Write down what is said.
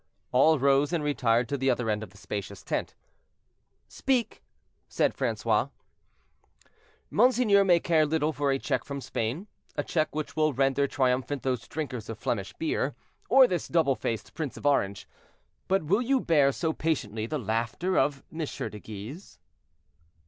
All rose and retired to the other end of the spacious tent. "Speak," said Francois. "Monseigneur may care little for a check from Spain, a check which will render triumphant those drinkers of Flemish beer, or this double faced Prince of Orange; but will you bear so patiently the laughter of M. de Guise?"